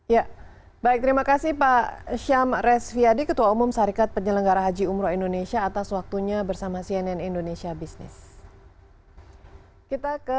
ya baik terima kasih pak syam resviadi ketua umum sarikat penyelenggara haji umroh indonesia atas waktunya bersama cnn indonesia busines